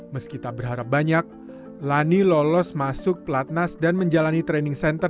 meski tak berharap banyak lani lolos masuk pelatnas dan menjalani training center